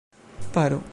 paro